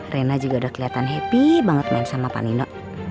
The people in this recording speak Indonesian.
rena juga udah keliatan happy banget main sama panino